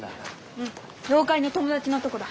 うん妖怪の友達のとこだ。